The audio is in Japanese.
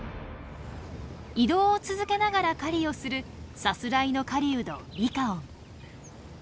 移動を続けながら狩りをするさすらいの狩人リカオン。